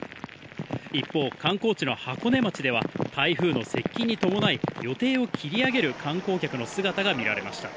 一方、観光地の箱根町では、台風の接近に伴い、予定を切り上げる観光客の姿が見られました。